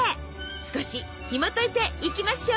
少しひもといていきましょう！